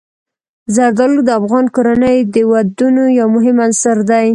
زردالو د افغان کورنیو د دودونو یو مهم عنصر دی.